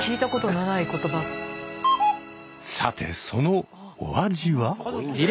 さてそのお味は？